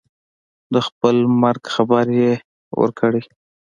د خپل مرګ خبر یې ورکړی.